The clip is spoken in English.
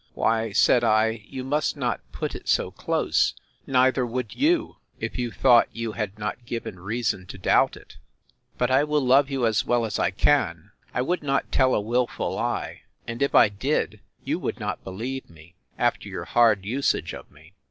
—Why, said I, you must not put it so close; neither would you, if you thought you had not given reason to doubt it!—But I will love you as well as I can!—I would not tell a wilful lie: and if I did, you would not believe me, after your hard usage of me.